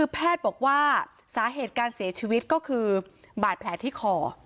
แพทย์บอกว่าสาเหตุการเสียชีวิตก็คือบาดแผลที่คอ